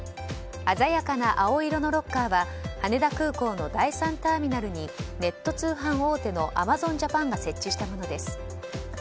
鮮やかな青色のロッカーは羽田空港の第３ターミナルにネット通販大手のアマゾンジャパンが設置したものです。